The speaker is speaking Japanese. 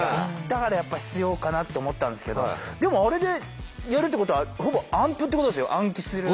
だからやっぱ必要かなと思ったんですけどでもあれでやるってことはほぼ暗譜ってことですよ暗記する。